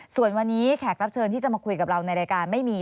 ส่วนวันนี้แขกรับเชิญที่จะมาคุยกับเราในรายการไม่มี